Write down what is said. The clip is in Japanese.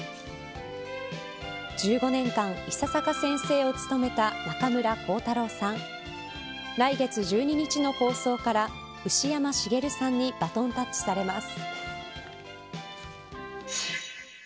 １５年間、伊佐坂先生を務めた中村浩太郎さん来月１２日の放送から牛山茂さんにバトンタッチされます。